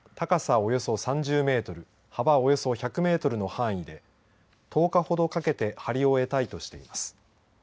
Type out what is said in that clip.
およそ３０メートル幅およそ１００メートルの範囲で１０日ほどかけて張り終えたいとしています。